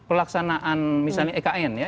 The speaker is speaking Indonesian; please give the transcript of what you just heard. pelaksanaan misalnya ekn ya